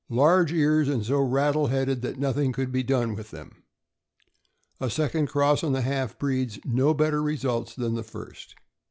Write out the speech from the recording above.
Large ears, and so rattle headed that nothing could be done with them. A second cross on the half breeds; no better results than the first.